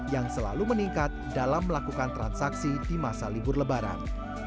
yang selalu meningkat dalam melakukan perbankan